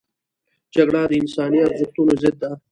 جګړه د انساني ارزښتونو ضد ده